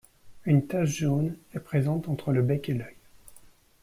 Une tache jaune est présente entre le bec et l'œil.